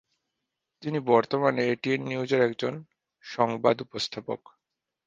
তিনি বর্তমানে এটিএন নিউজের একজন সংবাদ উপস্থাপক।